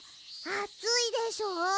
あついでしょ？